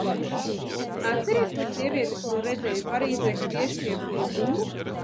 Atceries to sievieti, kuru redzēju Parīzē, kad iešķieba to bumbu?